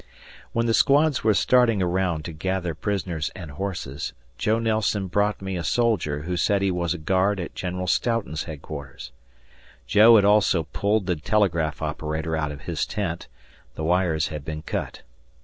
When the squads were starting around to gather prisoners and horses, Joe Nelson brought me a soldier who said he was a guard at General Stoughton's headquarters. Joe had also pulled the telegraph operator out of his tent; the wires had been cut.